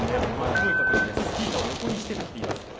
ものすごい角度でスキー板を横にして立っています。